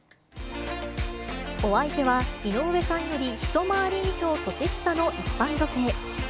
お相手は、井上さんより一回り以上年下の一般女性。